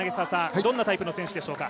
どんなタイプの選手でしょうか。